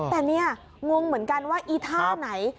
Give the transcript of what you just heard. แต่เนี่ยงงเหมือนกันว่าอีท่าไหน